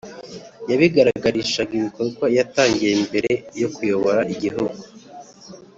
yabigaragarishaga ibikorwa yatangiye mbere yo kuyobora igihugu.